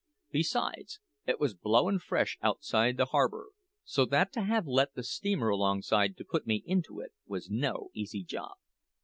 Besides, it was blowin' fresh outside the harbour, so that to have let the steamer alongside to put me into it was no easy job.